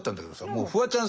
もうフワちゃん